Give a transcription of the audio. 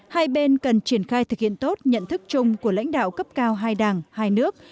hai bên cần triển khai thực hiện tốt nhận thức chung của lãnh đạo cấp cao hai đảng hai nước